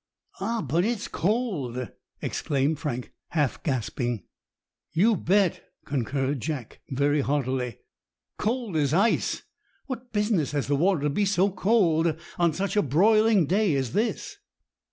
"Ah, but it's cold!" exclaimed Frank, half gasping. "You bet," concurred Jack, very heartily—"cold as ice! What business has the water to be so cold on such a broiling day as this?"